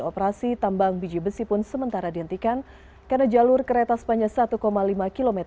operasi tambang biji besi pun sementara dihentikan karena jalur kereta sepanjang satu lima km